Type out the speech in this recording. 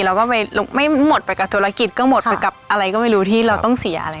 เราก็ไปไม่หมดไปกับธุรกิจก็หมดไปกับอะไรก็ไม่รู้ที่เราต้องเสียอะไร